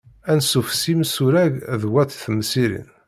Ansuf s yimsurag d wat temsirin.